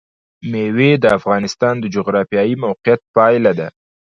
مېوې د افغانستان د جغرافیایي موقیعت پایله ده.